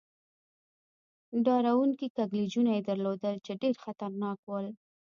ډار و ر و نکي کږلېچونه يې درلودل، چې ډېر خطرناک ول.